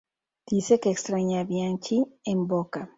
Dice que extraña a Bianchi en Boca.